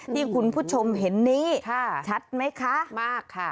ที่คุณผู้ชมเห็นนี้ชัดไหมคะมากค่ะ